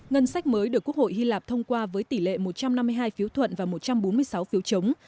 ngân sách mới được quốc hội hy lạp thông qua với tỷ lệ một trăm năm mươi hai phiếu thuận và một trăm bốn mươi sáu phiếu chống